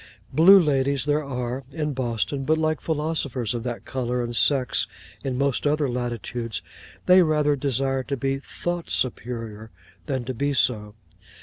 Blue ladies there are, in Boston; but like philosophers of that colour and sex in most other latitudes, they rather desire to be thought superior than to be so.